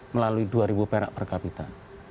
melalui dua perak per kapita